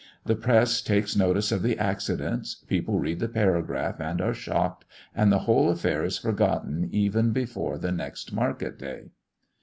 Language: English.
The press takes notice of the accidents, people read the paragraph and are shocked; and the whole affair is forgotten even before the next market day.